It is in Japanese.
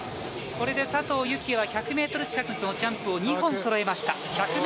これで佐藤幸椰は１００ｍ近くのジャンプを２本そろえました。